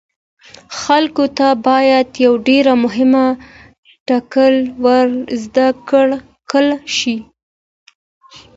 خلکو ته باید یو ډیر مهم ټکی ور زده کړل شي.